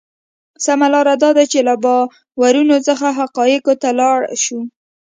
سمه لار دا ده چې له باورونو څخه حقایقو ته لاړ شو.